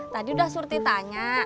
tadi udah surti tanya